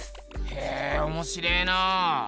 へえおもしれえな。